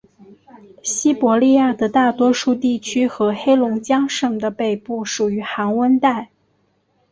西伯利亚的大多数地区和黑龙江省的北部属于寒温带。